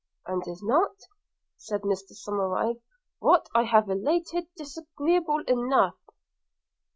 'And is not,' said Mr Somerive, 'what I have related disagreeable enough?'